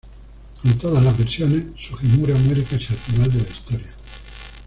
En todas las versiones, Sugimura muere casi al final de la historia.